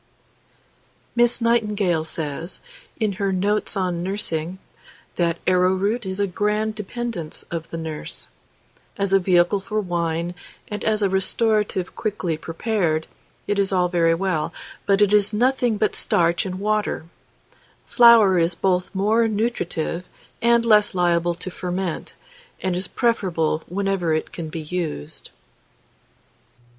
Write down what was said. MISS NIGHTINGALE says, in her "Notes on Nursing," that arrowroot is a grand dependence of the nurse. As a vehicle for wine, and as a restorative quickly prepared, it is all very well, but it is nothing but starch and water; flour is both more nutritive and less liable to ferment, and is preferable wherever it can be used.